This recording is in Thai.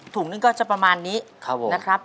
ถุงนึงก็จะประมาณนี้นะครับ